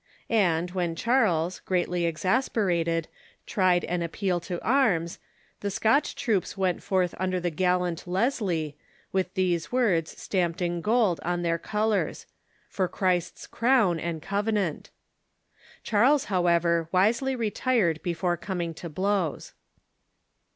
And when Charles, greatly exasperated, tried an appeal to arms, the Scotch troops went forth under the gallant Leslie, with these words stamped in gold on their colors, " For Christ's Crown and Covenant." Charles, however, wisely retired before coming to blows.